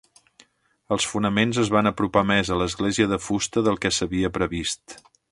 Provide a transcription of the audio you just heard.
Els fonaments es van apropar més a l'església de fusta del que s'havia previst.